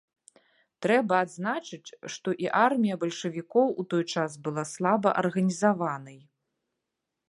Трэба адзначыць, што і армія бальшавікоў у той час была слаба арганізаванай.